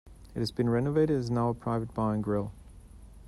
It has been renovated and is now a private bar and grill.